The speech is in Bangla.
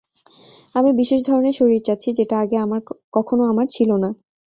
আমি বিশেষ ধরনের শরীর চাচ্ছি, যেটা আগে কখনো আমার ছিল না।